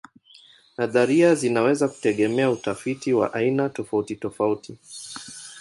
Nadharia zinaweza kutegemea utafiti wa aina tofautitofauti.